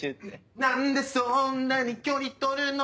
なんでそんなに距離取るの？